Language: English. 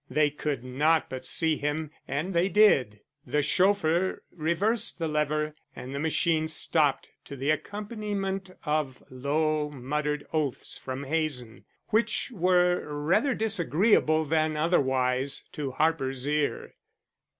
They could not but see him and they did. The chauffeur reversed the lever and the machine stopped to the accompaniment of low muttered oaths from Hazen, which were rather disagreeable than otherwise to Harper's ear.